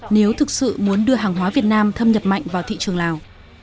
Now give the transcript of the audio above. nếu thực sự muốn đưa hàng hóa việt nam thâm nhập mạnh vào thị trường lào